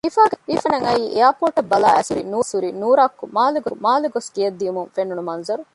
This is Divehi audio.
ރިފާގެ ހަނދާނަށް އައީ އެއާޕޯޓަށް ބަލާއައިސް ހުރި ނޫރާ ކޮއްކޮއާއެކު މާލެ ގޮސް ގެޔަށް ދިއުމުން ފެނުނު މަންޒަރު